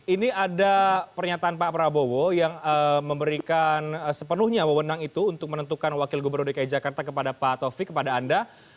ini ada pernyataan pak prabowo yang memberikan sepenuhnya mewenang itu untuk menentukan wakil gubernur dki jakarta kepada pak taufik kepada anda